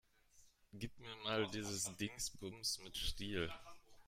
Gib mir mal dieses Dingsbums mit Stiel.